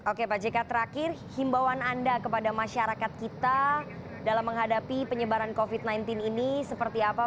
oke pak jk terakhir himbauan anda kepada masyarakat kita dalam menghadapi penyebaran covid sembilan belas ini seperti apa